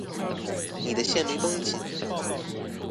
你的線沒綁緊